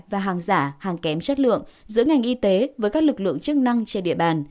và hàng giả hàng kém chất lượng giữa ngành y tế với các lực lượng chức năng trên địa bàn